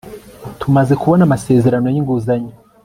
tumaze kubona amasezerano y'inguzanyo